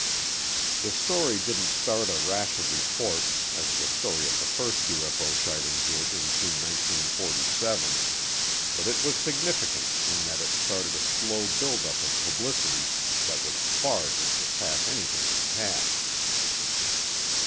The story didn't start a rash of reports as the story of the first UFO sighting did in June 1947, but it was significant in that it started a slow build up of publicity that was far to surpass anything in the past.